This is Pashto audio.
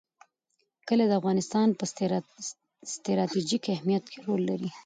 کلي د افغانستان په ستراتیژیک اهمیت کې رول لري.